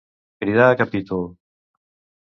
Cridar a capítol.